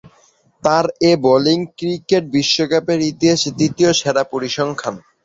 তার এ bowling cricket বিশ্বকাপের ইতিহাসে তৃতীয় সেরা পরিসংখ্যান।